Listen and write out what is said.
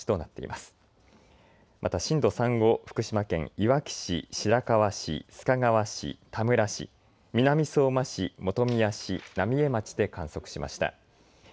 また震度３を福島県いわき市、白河市、須賀川市、田村市、南相馬市、本宮市、浪江町で観測しました。